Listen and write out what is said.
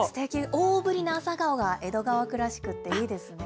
大ぶりな朝顔が江戸川区らしくて、いいですね。